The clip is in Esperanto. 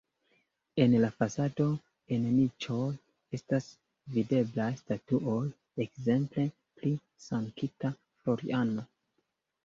En la fasado en niĉoj estas videblaj statuoj ekzemple pri Sankta Floriano.